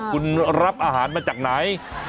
คุณรับอาหารมาจากไหน